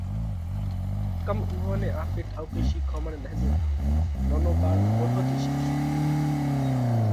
ڪم اُوئون نئہ آپي ٺائُوڪئِي شِيکومڻ نه ۮيتا؟ نونو ٻاۯ موٽون ٿِي شِيکئه۔